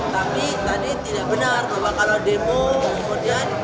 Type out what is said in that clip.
tapi tadi tidak benar bahwa kalau demo kemudian